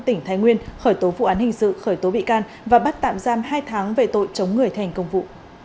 tỉnh thái nguyên khởi tố vụ án hình sự khởi tố bị can và bắt tạm giam hai tháng về tội chống người thành công vụ